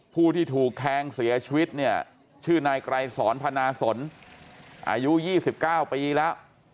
ผู้ที่ถูกแทงเสียชีวิตเนี่ยชื่อนายไกรสอนพนาสนอายุ๒๙ปีแล้ว